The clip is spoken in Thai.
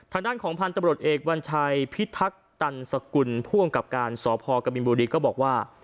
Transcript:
ทางด้านของพันธุ์ตำรวจเอกวัญชัยพิทักตันสกุลผู้อำกับการสพกบินบุรีก็บอกว่า